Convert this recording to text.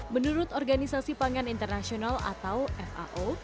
menurut organisasi pangan internasional atau fao